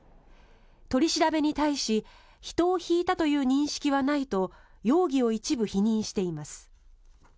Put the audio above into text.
取り調べに対し人をひいたという認識はないと容疑を一部否認しています。